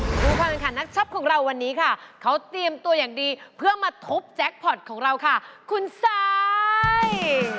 ทุกคนค่ะนักชอบของเราวันนี้ค่ะเขาเตรียมตัวอย่างดีเพื่อมาทบแจ็คพอร์ตของเราค่ะคุณซ้าย